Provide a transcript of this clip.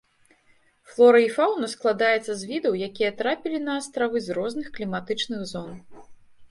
Флора і фаўна складаецца з відаў, якія трапілі на астравы з розных кліматычных зон.